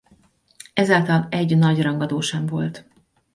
Ezáltal egy nagy rangadó sem volt.